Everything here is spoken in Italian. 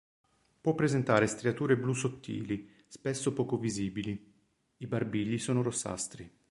Può presentare striature blu sottili, spesso poco visibili; i barbigli sono rossastri.